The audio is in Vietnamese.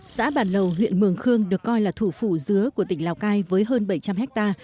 xã bản lầu huyện mường khương được coi là thủ phủ dứa của tỉnh lào cai với hơn bảy trăm linh ha